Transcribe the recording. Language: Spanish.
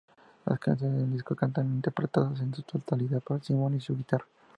Las canciones del disco estaban interpretadas en su totalidad por Simon y su guitarra.